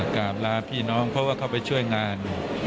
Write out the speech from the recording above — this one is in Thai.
กราบลาพี่น้องเพราะว่าเขาไปช่วยงาน